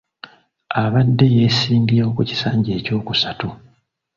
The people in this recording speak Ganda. Abadde yeesimbyewo ku kisanja ekyokusatu.